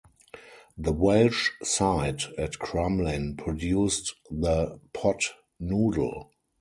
The Welsh site at Crumlin produced the "Pot Noodle".